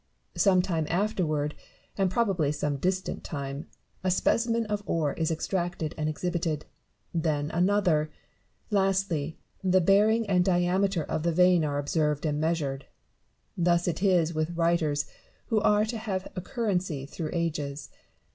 Some time afterward, and probably some distant time, a specimen of ore is extracted and exhibited ; then another ; lastly the bearing and diameter of the vein are observed and measured. Thus it is with writers who are to have a currency through ages.